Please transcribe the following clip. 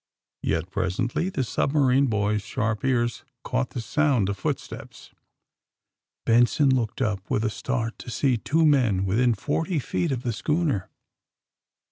Yet presently tbe submarine boy's sbarp ears caugbt tbe sound of footsteps. Benson looked up, witb a start, to see two men witbin forty feet of tbe scbooner.